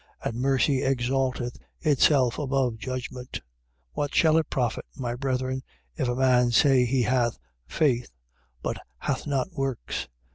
And mercy exalteth itself above judgment. 2:14. What shall it profit, my brethren, if a man say he hath faith, but hath not works?